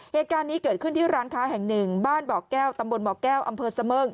เหตุการณ์นี้เกิดขึ้นที่ร้านค้าแห่งหนึ่งบ้านบ่อแก้วตำบลบ่อแก้วอำเภอเสมิ่ง